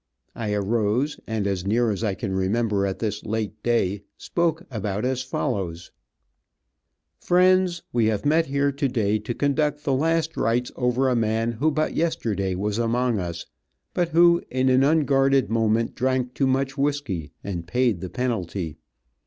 I arose, and as near as I can remember at this late day, spoke about as follows: [Illustration: A solemn funeral oration 077] "Friends: We have met here today to conduct the last rites over a man, who but yesterday was among us but who, in an unguarded moment drank too much whisky, and paid the penalty.